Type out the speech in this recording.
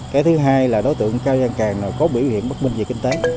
cái thứ hai là đối tượng cao giang càng có biểu hiện bất minh về kinh tế